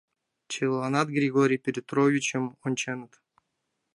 Чыланат Григорий Петровичым онченыт.